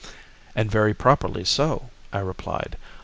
"And very properly so," I replied.